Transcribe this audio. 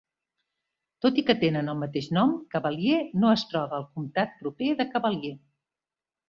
Tot i que tenen el mateix nom, Cavalier no es troba al comptat proper de Cavalier.